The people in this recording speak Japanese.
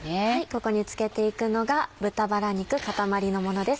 ここに漬けていくのが豚バラ肉塊のものです。